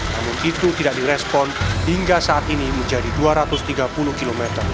namun itu tidak direspon hingga saat ini menjadi dua ratus tiga puluh km